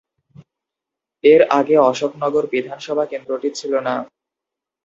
এর আগে অশোকনগর বিধানসভা কেন্দ্রটি ছিল না।